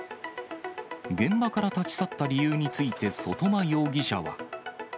現場から立ち去った理由について外間容疑者は。